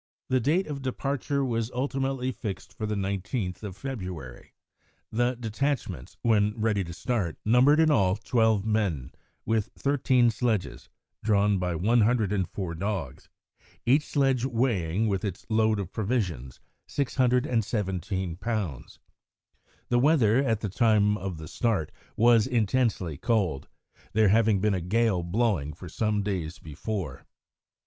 The date of departure was ultimately fixed for the 19th of February. The detachments, when ready to start, numbered, in all, twelve men, with thirteen sledges, drawn by 104 dogs, each sledge weighing, with its load of provisions, 617 lbs. The weather, at the time of the start, was intensely cold, there having been a gale blowing for some days before.